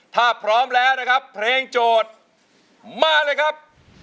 ถ้าพร้อมแล้วนะครับเพลงโจทย์มาเลยครับ